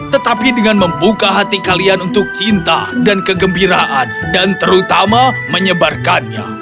tetapi dengan membuka hati kalian untuk cinta dan kegembiraan dan terutama menyebarkannya